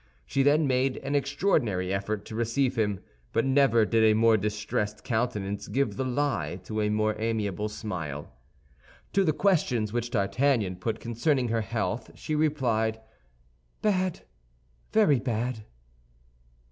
She then made an extraordinary effort to receive him, but never did a more distressed countenance give the lie to a more amiable smile. To the questions which D'Artagnan put concerning her health, she replied, "Bad, very bad."